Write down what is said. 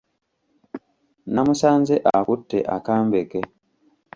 Namusanze akutte akambe ke.